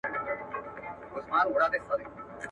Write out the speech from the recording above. باران دي وي سیلۍ دي نه وي.